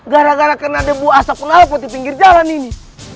gara gara kena debu asap mengaput di pinggir jalan ini